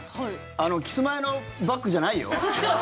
あのキスマイのバックじゃないよ？